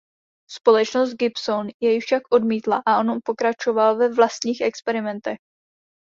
Společnost Gibson jej však odmítla a on pokračoval ve vlastních experimentech.